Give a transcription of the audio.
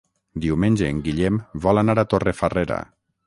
Diumenge en Guillem vol anar a Torrefarrera.